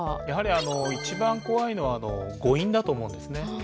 やはり一番怖いのは誤飲だと思うんですね。